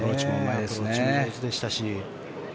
アプローチも上手でしたし。